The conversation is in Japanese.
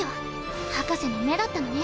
博士の目だったのね？